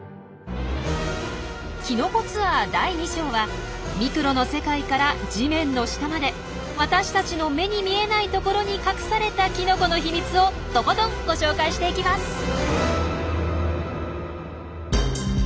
きのこ・ツアー第２章はミクロの世界から地面の下まで私たちの目に見えないところに隠されたキノコのひみつをとことんご紹介していきます！